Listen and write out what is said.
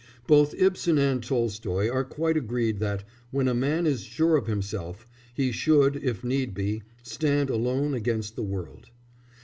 Both Ibsen and Tolstoy are quite agreed that, when a man is sure of himself, he should, if need be, stand alone against the world.